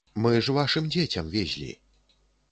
Мы ж вашым дзецям везлі!